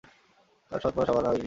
তার সৎ মা শাবানা আজমি।